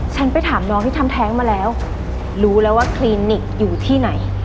ฉันไปถามน้องที่ทำแท้งมาแล้วรู้แล้วว่าคลินิกอยู่ที่ไหน